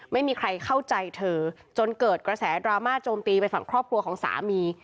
ไม่มีใครเข้าใจเธอจนเกิดกระแสดราม่าโจมตีไปฝั่งครอบครัวของสามี